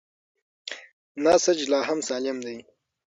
نسج لا هم سالم دی.